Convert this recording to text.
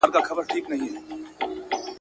ښوونکي وويل چي کتاب د پوهي خزانه ده.